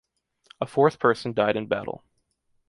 A fourth person died in battle.